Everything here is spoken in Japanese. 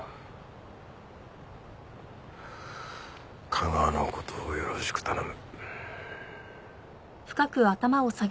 架川の事をよろしく頼む。